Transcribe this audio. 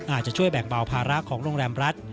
อาจจะช่วยแบ่งเบาภาระของโรงแรมรัฐ